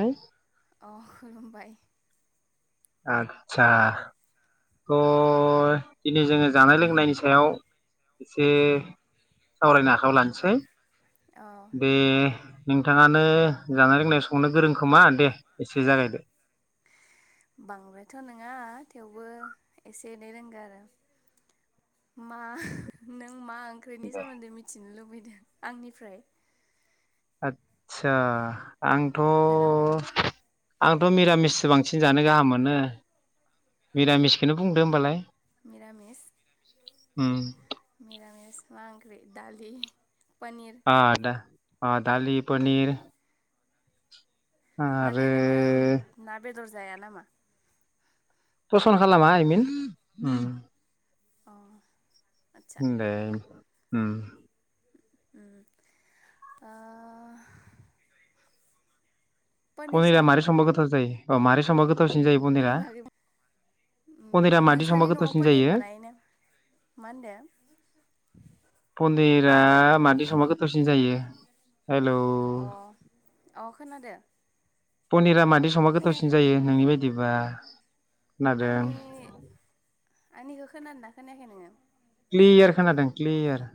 ह अ खुलुमबाय आतसा थ दिनै जोङो जानाय उम लोंनायनि सायाव एसे सावरायनो आखायाव लानोसै अ बे नोंथाङानो जानाय लोंनाय संनो गोरों खोमा दे एसे जागायदो बांद्रायथ' नङा थेवबो एसे एनै रोंगौ आरो मा नों नों मा ओंख्रिनि सोमोन्दै मिथिनो लुबैदों आंनिफ्राय आतसा आंथ' हेलौ आंथ' मिरामिससो बांसिन जानो गाहाम मोनो मिरामिसखौनो बुंदो होनबालाय निरामिस निरामिस मा ओंख्रै दालि पनिर आ दा दालि पनिर आरो दर जाया नामा? फसन्द खालामा आइ मिन उम अ आदसा उम दे। उम उम ओ पनिर फनिरा मारै संबा गो थाव जायो मारे संबा गो थावसिन जायो पनारा संनायनि बागै उम पनिरा मादि नोंसानि संबा न'आव गोथावसिन पनिर जायो बानायोना मा होनदों पनिरा हेलौ मादि संबा गोथ थावसिन जायो हेलौ अ अ खोनादो पनिरा मा संबा खोनाया गोथावसिन जायो नोंनि बायदिबा [inaudible] खोनादों आंनि आंनिखौ खोनदोना खोनायाखै नोङो क्लियार खोनादों क्लियार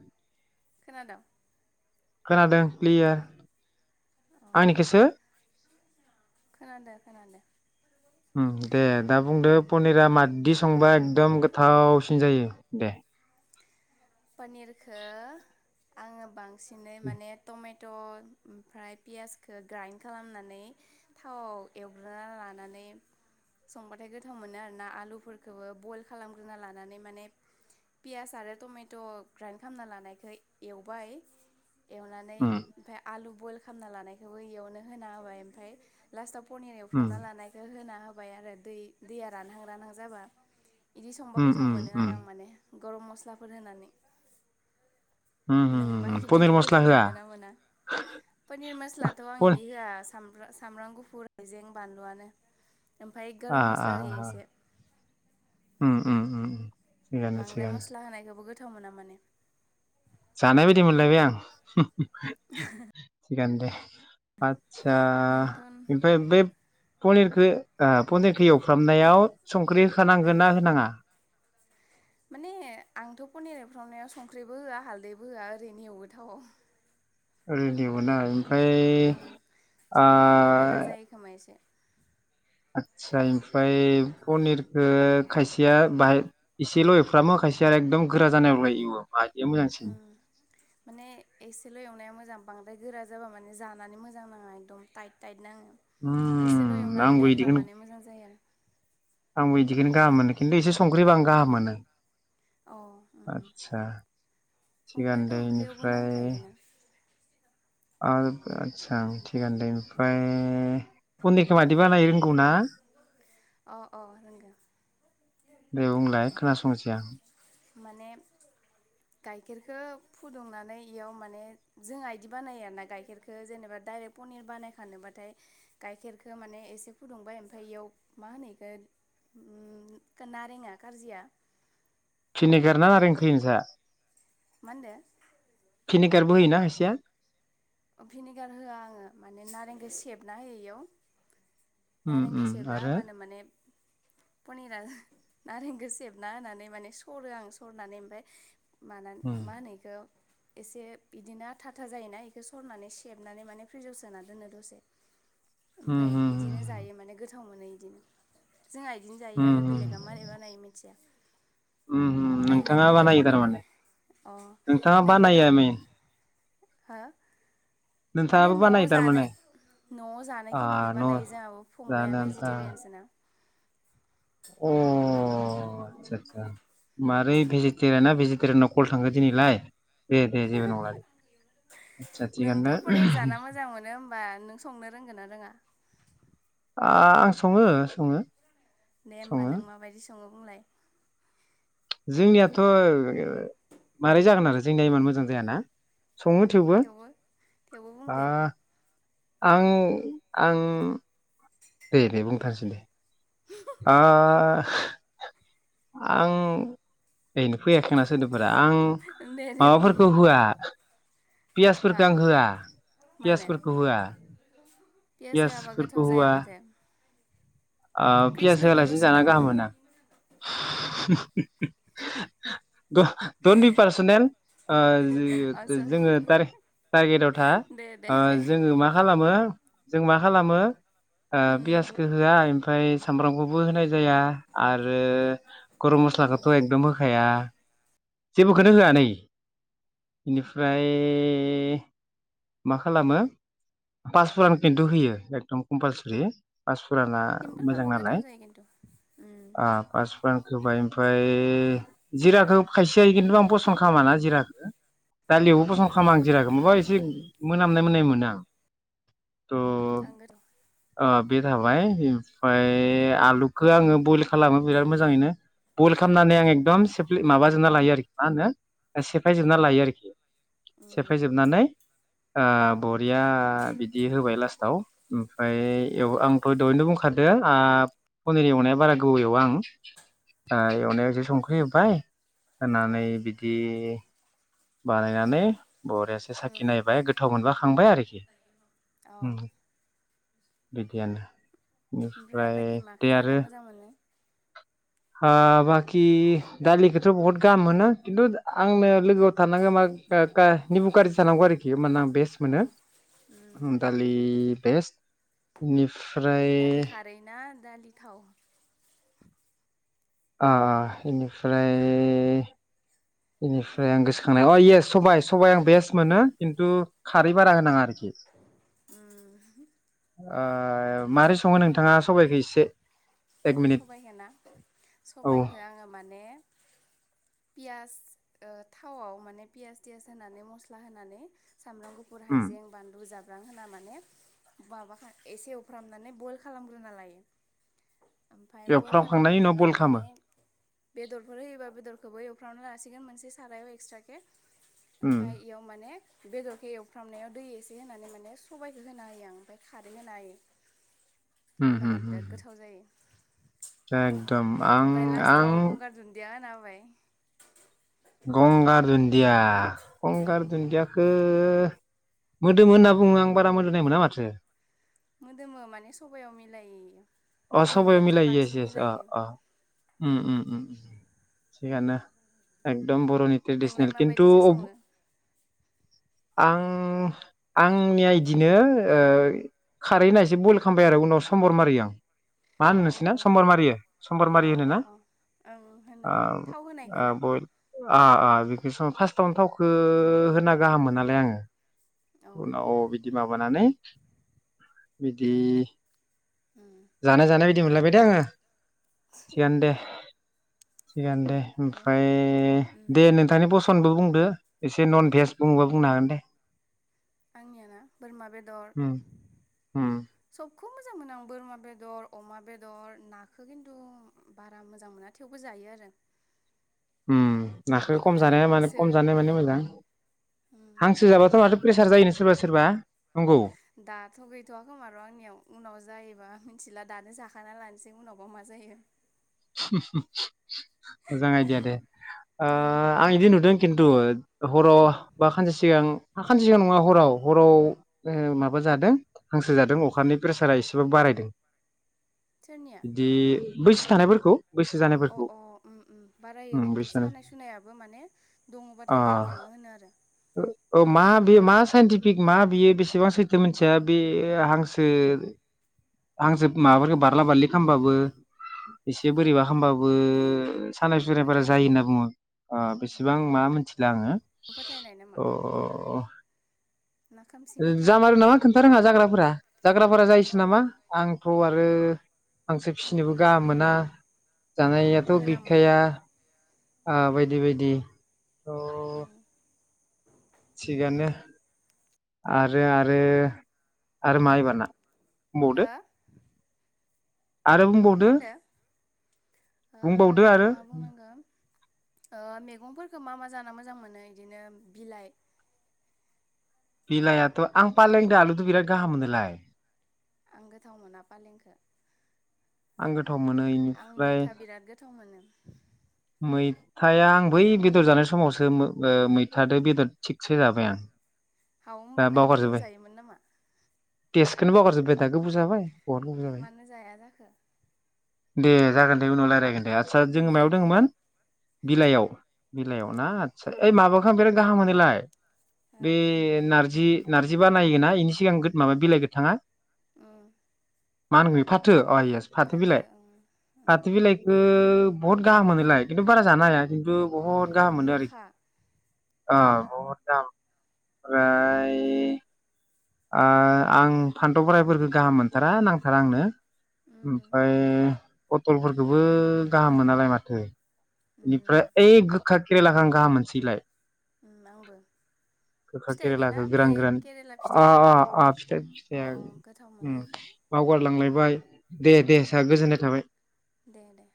खोनादोंं खोनादों क्लियार अ आंनिखिसो खोनादो खोनादो उम दे दा बुंदो पनिरा माददि स संबा एकदम गोथाव सिन जायो दे पनिरखो आङो बां सिनै माने टमेट ट' ओमफ्राय पियासखौ ग्राइन्ड खालामनानै थाव एवग्रोना लानानै संबाथाय गोथाव मोनो आरोना आलुफोरखौबो बइल खालामग्रोना लानानै माने पियास आरो टमे ट' ग्राइन्ड खालामना लानायखो एवबाय एवनानै उम ओमफ्राय आलु बयल खालामना लानायखौबो इयावनो होना होबाय ओमबाय लासथाव पनिर उम एफ्रावना लानायखो होना [unintelligible] आरो दै दैया रानहां रानहां जाबा इदि संबा उम गोथाव उम मोनो उम आरो आं माने। गरम मस्लाफोर होनानै। उम नोंबा उम उम पनिर इदिखो मस्ला गोथाव होआ मोनोना मोना पोनिर मस्लाथ आं पन इदि होआ साम [unintelligible] सामब्रां गुफुर हायजें बानलुआनो ओमफ्राय आ गरम आ मस्ला होयो आ एसे ओम ओम ओम बांद्राय मस्ला होनायखौबो गोथ थाव मोना माने। जानाय बायदि मोनलायबाय आं। [inaudible] [unintelligible] आतसा नोंथ' ओ [unintelligible] बे पनिरखो ओ पनिरखौ एवफ्रामनायाव संख्रि होखानांगो ना होनाङा? माने आंथ पनिर एफ्रावनायाव संख्रैबो होआ हालदैबो होआ ओरैनो एवो थाव आव। ओं [unintelligible] [unintelligible] संख्रि होबा गोरा आ जायो खोमा एसे आदसा इमफ्राय पनिरखो खायसेया बाहाय इसेल एवफ्रामो खायसेया एकदम गोरा [unintelligible] मोजांसिन [inaudible] माने एसेल एवनाया मोजाम। बांदाय गोरा जाबा माने जानानै मोजां नाङा एकदम टाइट टाइट नाङो। एसेल उम एवनानै आंबो दोनबा इदिखौनो माने मोजां जायो आरो आंबो इदिखौनो गाहाम मोनो खिन्थु इसे संख्रै होबा गाहाम उम मोनो अ उम उम आदसा थिगानो संख्रियाथ' दे ओंख्रियावबो इनिफ्राय नांखायोना [unintelligible] थिगानोदे ओमफ्राय उम [unintelligible] मादि बानायो अ अ रोंगौ [unintelligible] दे बुंलाय खोनासंनोसै आं। माने गाइखेरखो फुदुंनानै इयाव माने जोङा इदि बानायो आर ना गाइखेरखो जेनेबा डाइरेक्ट पनिर बानायखानोबाथाय गाइखेरखो माने एसे फुदुंबाय ओमफाय इयाव मा होनो इखो [unintelligible] नारेंआ कारजिया भिनेगारना नारें? [unintelligible] मा ओनदो? [unintelligible] होयोना [unintelligible] भिनेगार होआ आङो माने नारेंखो सेबना होयो इयाव उम नारेंखो उम सेबना आरो हाबानो माने पनिरा नारेंखो सेबना होनानै माने सरो आं सरनानै ओमफ्राय नानान उम मा होनो इखौ एसे बिदिनो आथा आथा जायोना। बेखौ सरनानै सेबनानै माने फ्रिजाव सोना दोनो दसे। उम ओमफ्राय उम बिदिनो जायो माने गोथाव। गोथाव मोनो इदिनो। जोंहा बिदिनो जायो उम आरो उम बेलेगा मारै बानायो मिथिया उम ओमफ्राय नोंथाङा नोंबोथ' बानायो पनिर थारमाने अ नोंथाङा बानायो नोंबोथ' आइ मिन हा? माने नोंथाङाबो न'आव बानायो थारमाने जानाय न'आव आ जानायखिनिखो न' बानायो जोंहाबो फंबाया जानो आन्था भेजिटेरियानसो ना। अ। आतसा आतसा मारै भेजिटेरियाना भेजि सोरनाव कल थाङो दिनैलाय। दे दे जेबो नंला दे आदसा नोंथ' पनिर थिगानो जाना मोजां मोनो होमबा नों संनो रोंगो ना रोङा? आ आं सङो सङो। दे होमबा सङो नों माबायदि सङोब? बुंलाय। जोंनियाथ' मारै जागोन आरो जोंनिया इमान मोजां जायाना? सङो थेवबो थेवबो आ बुंदो आं आं दे दे उम बुंथारसै दे आ आं ओयनो फैयाखैना सोदोब। फोरा आं दे दे बुं माबाफोरखौ होआ। मा पियासफोरखो आं होआ मानो पियासफोरखौ होआ पियास होआबा पियासफोरखौ गोथाव जाया होआ। माथो ओ पियास कृष्ण होलासिनो गुरुसो जाना नामा गाहाम मोनो। द-दन्त बि पार्सनेल। ओ अ जो सरि जोङो टारगे टारगेटाव था दे दे दे जोङो मा खालामो जों मा खालामो ओ उम पियासखो होआ ओम ओमफ्राय सामब्रामखौबो होनाय जाया आरो गरम उम मस्लाखौथ' एकदम होखाया। जेबोखोनो होआ नै इनिफ्राय मा खालामो पासपुरन खिन्थु होयो एकदम कम्पालसरि पास फुराना मोजां सिमपोलबाबो नालाय गोथाव जायो खिन्थु उम ओ पासफुरानखो होबाय ओमफ्राय ए जिराखौ खायसेया होयो खिन्थु आं फसन्द खालामाना जिराखो। दालियावबो उम बसन्द खालामा आं जिराखौ मौबा एसे [unintelligible] मोनामनाय मोननाय मोना त [unintelligible] अ बे थाबाय ओमफ्राय आलुखौ आङो बयल खालामो बिराद मोजाङैनो। बइल खालामनानै उम आं एकदम से माबाजोबना लायो आरोखि मा होनो सेफायजोबना लायो आरोखि। उम सेफायजोबनानै आ उम बरिया बिदि हो गय लासताव ओमफ्राय उम एव आंथ' दहैनो बुं खारदो ओ पनिर एवनाया बारा गोबाव एवो आं ओ एवनायाव एसे संख्रि होबबाय औ होनानै बिदि बानायनानै बरयासे उम साखि नायबाय गोथाव मोनबा खांबाय आरोखि औ बिगियान ओमफ्राय बाकि माखो जाना मोजां मोनो? ह बाखि दालिखोथ' बहुत गाहाम मोनो किन्तु आंनो लोगो थानांगो मा ओ का-निबु कार्जि थानांगौ आरोखि ओनबाना बेस्ट औ मोनो उम उम दालि बेस्ट बेनिफ्राय दालि खारै ना दालि थाव आ इनिफ्राय बेनिफ्राय आं गोसोखांनाय अ इयेस सबाइ सबाइ आं बेस्ट मोनो किन्तु खारै बारा होनाङा आरोखि आ उम आ मारै सङो नोंथाङा सबायखो इस से सबायाइखो ना औ सबबायखो आङो माने पियास ओ थावआव माने पियास तियास होनानै मस्ला होनानै सामब्राम गुफुर उम हाइजें बानलु जाब बिबां होना माने माबाखा एसे एवफ्रामनानै बइल खालामग्रोना लायो ओमफ्राय बइल एवफ्रामखांनायनि खालामग्रोना उनाव बयल खालामो लानानै बेदरफोर होयोबा बेदरखौबो एवफ्रावना लासिगोन मोनसे सारायाव एक्सट्राके ओमफ्राय उम इयाव माने बेदरखो एवफ्रामनायाव दै एसे होनानै माने सबायखो होना हायो आं ओमफ्राय खारै होना होयो। होमबाना [unintelligible] [unintelligible] एकदम आं आं माने गंगार धोनदिया औ गंगार धोनदियाखो ओह मोदोमो होनना बुङो आं बारा मोदोमनाय मोना माथो‌ मोदोमो माने सबायाव मिलायो। अ सबाय दुन्दियानोसै मिलायो इयेस बांसिन इयेस अह मिलायो अह होम उम होम थिगानो एकदम बर'नि नोंलाय ट्रेडिसनेल किन्तु माबायदिथो सङो आं आंनिया बिदिनो खारै होननायसो बयल खालामबाय आरो उनाव सम्बर मारियो आं मा होनो औ नोंसोरना सम्बर मारियो सम्बर अ मारियो होनो अ ना अ ओं होनो थाव होनायखो ना बयल अ अ बेख सम फास्टावनो थावखौ होना गाहाम मोनालै आङो उनाव औ बिदि माबानानै बिदि होम जानाय जानाय बायदि मोनलायबाय दे आङो थिगानो दे थिगानो दे आरो ओमफ्राय उम दे नोंथांनि बस सनबो बुंदो एसे नन भेज बुंङोबा बुंनो हागोन दे आंनियाना बोरमा बेदर उम उम सब सबखौ मोजां मोनो आं बोरमा बेदर अमा बेदर नाखौ खिन्थु बारा मोजां मोना थेवबो जायो आरो होम नाखौ खम ओमफ्राय जानाया म हांसो खम जानाया माने मोजां उम हांसो जाबाथ' माथो प्रेसार जायोनो सोरबा सोरबा नंगौ दाथ' गैथ'वाखोमार' आंनियाव उनाव जायोबा मिथिला दानो जाखाना लानोसै उनावबा मा जायो मोजां आइदिया दे उम अह आं इदि नुदों। खिन्थु हराव बा खानसे सिगां खानसे सिगां नङा उम हराव हराव। माबा जादों हांसो जादों उम अखानि प्रेसारा एसे बि बारायदों सोरनिया बिदि बैसो थानायफोरखौ खौ अ' अ' उम उम बारायो उम खिन्थु बैसो जानाय सानाय सुनायाबो माने दङ बाथाय जाखाङो होनो आरो। ओ मा बे मा साइन्टिफिक मा बेयो बेसेबां सैथो मोनथिया बे हांसो हांसो माबाफोरखौ बारला बारलि खालामबाबो एसे औ बोरैबा हामबाबो [unintelligible] सानाय सुनायफोरा फोथायनाय जायो होनना नामा बुङो। ओ बेसेबां मा मोनसे लाङो। फोथायनाय नामा अ' अ' अ'। ना खोमसि फोथायनाय जामारो नामा खोन्था रोङा जाग्रा फोरा जाग्राफोरा जायोसो अ नामा आंथ' आरो हांसो फिसिनोबो उम गाहाम मोना जानायाथ' मोना मोना गैखाया। बिराद ओ बायदि बायदि। थ' उम। थिगानो आरो, आरो आर मा एबारना। बुंबावदो हो आरो मा बुंबावदो, होनदो ओ बुंबावदो आरो। मा बुंनांगौ ओ मैगंफोरखौ मा मा जाना मोजां मोनो इदिनो बिलाइ बिलाइयाथ' आं फालें दो आलुदो बिराद गाहाम मोनोलाय। आं गोथाव मोना फालेंखो। आङो आं मैथा बिराद गोथाव मोनो। मैथाया आं बै बेदर जानाय समावसो ओ मैथादो बेदर थिकसे जाबाय आं। हाव होमबा नों बेदर जायोमोन नामा? तेस्थखौनो बावगार जोबबाय दा गोबाव जाबाय। बहत गोबाव जाबाय मानो जाया जाखो? दे जागोन दे उनाव रायलायगोन। ए आच्छा जोङो दे मायाव दे दे दोङोमोन? बिलाइयाव बिलाइआव औ ना आच्छा ओइ माबा हो बिराद गाहाम मोनोलाय। हो बे नारजि जि नारजि बानायो ना इनि सिगां माबा बिलाइ गोथाङा उम। मा होनो फाथो अ इस फाथो बिलाइ फाथो बिलाइखौ बहुत गाहाम मोनोलाय खिनथु बारा जानो हाया। खिन्थु बहुत गाहाम उम मोनो आरोखि गोखा ओ बहुद दाम ओमफ्राय ओ आं फान्थाव फ्राय फोरखौ गाहाम मोनथारा नांथारा आंनो उम ओमफ्राय पथलफोरखौबो गाहाम मोनालाय माथो बेनिफ्राय उम ओय गोखा गो खेरेलाखो आं गाहाम मोनसैलाय आंबो गोखा केरेलाखौ फिथाइखौना बे गोरान गोरान केरेला अ फिथाइया अ फिथाइ अ फिथाइ अ गोथाव उम मोनो इखो बा वगारलांलायबाय दे दे सार गोजोननाय थाबाय। दे दे